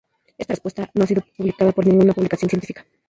Esta respuesta no ha sido publicada por ninguna publicación científica.